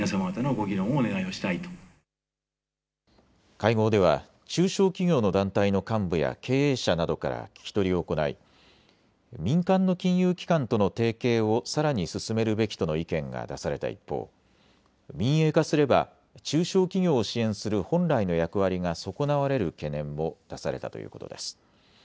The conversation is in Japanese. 会合では中小企業の団体の幹部や経営者などから聴き取りを行い民間の金融機関との提携をさらに進めるべきとの意見が出された一方、民営化すれば中小企業を支援する本来の役割が損なわれる懸念も出されたということです。